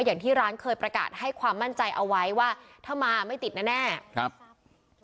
อย่างที่ร้านเคยประกาศให้ความมั่นใจเอาไว้ว่าถ้ามาไม่ติดแน่แน่ครับ